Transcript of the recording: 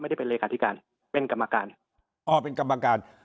เลขเป็นเลขาธิการเป็นกรรมการอ๋อเป็นกรรมการ